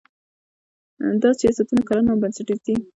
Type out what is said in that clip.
دا سیاستونه کلان او بنسټیز دي.